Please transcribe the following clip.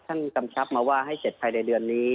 กำชับมาว่าให้เสร็จภายในเดือนนี้